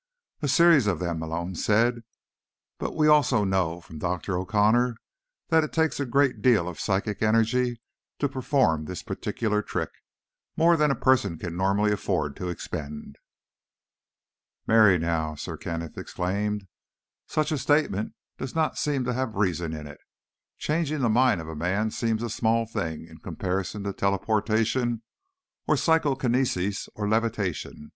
"A series of them," Malone said. "But we also know, from Dr. O'Connor, that it takes a great deal of psychic energy to perform this particular trick—more than a person can normally afford to expend." "Marry, now," Sir Kenneth exclaimed, "such a statement does not seem to have reason in it. Changing the mind of a man seems a small thing in comparison to teleportation, or psychokinesis, or levitation.